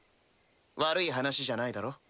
悪い話じゃないだろ？